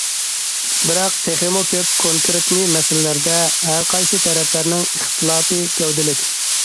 بىراق تېخىمۇ كۆپ كونكرېتنى مەسىلىلەردە ھەر قايسى تەرەپلەرنىڭ ئىختىلاپى گەۋدىلىك.